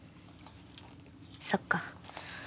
そっか。